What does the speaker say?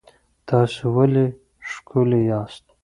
تاسو ولې ښکلي یاست؟